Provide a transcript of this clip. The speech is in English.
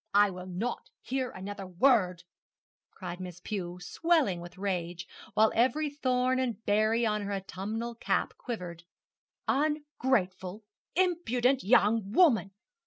'I will not hear another word!' cried Miss Pew, swelling with rage, while every thorn and berry on her autumnal cap quivered. 'Ungrateful, impudent young woman!